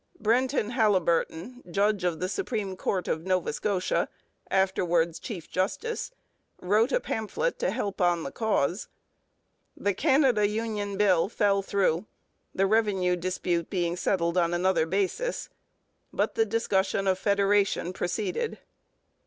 Brenton Halliburton, judge of the Supreme Court of Nova Scotia (afterwards chief justice), wrote a pamphlet to help on the cause. The Canada union bill fell through, the revenue dispute being settled on another basis, but the discussion of federation proceeded.